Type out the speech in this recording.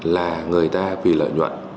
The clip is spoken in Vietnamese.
là người ta vì lợi nhuận